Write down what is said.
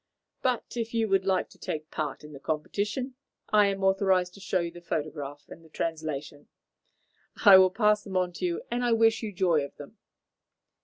But if you would like to take part in the competition, I am authorized to show you the photograph and the translation. I will pass them on to you, and I wish you joy of them."